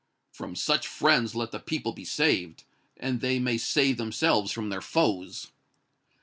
"From such friends let the people be saved, and they may save themselves from their foes."